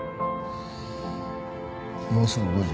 もうすぐ５時。